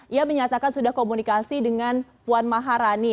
ia menyatakan sudah komunikasi dengan puan maharani